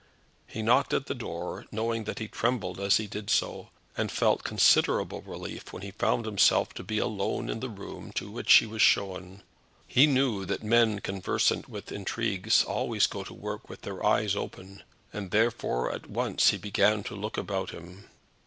He knocked at the door, knowing that he trembled as he did so, and felt considerable relief when he found himself to be alone in the room to which he was shown. He knew that men conversant with intrigues always go to work with their eyes open, and, therefore, at once, he began to look about him.